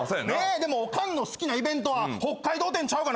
でもオカンの好きなイベントは北海道展ちゃうがなこれ。